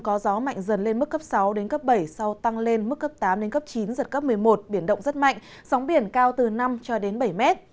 có gió mạnh dần lên mức cấp sáu bảy sau tăng lên mức cấp tám chín giật cấp một mươi một biển động rất mạnh sóng biển cao từ năm bảy m